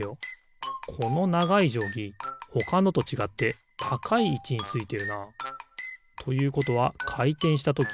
このながいじょうぎほかのとちがってたかいいちについてるな。ということはかいてんしたとき